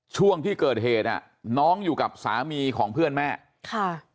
ช่วงที่เกิดเหตุอ่ะน้องอยู่กับสามีของเพื่อนแม่ค่ะ